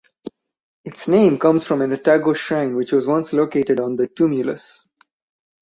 Its name comes from an Atago Shrine which was once located on the tumulus.